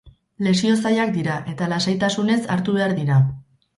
Lesio zailak dira eta lasaitasunez hartu behar dira.